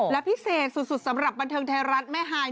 และพิเศษสุดสำหรับบันเทิงไทยรัฐแม่ฮาย